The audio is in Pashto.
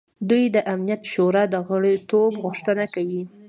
دوی د امنیت شورا د غړیتوب غوښتنه کوي.